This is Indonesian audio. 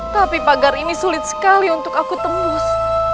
tapi pagar ini sulit sekali untuk aku tembus